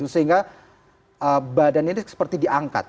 sehingga badan ini seperti diangkat